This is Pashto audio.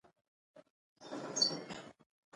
پانګوال باید یوازې ټاکل شوې اندازه تولید کړي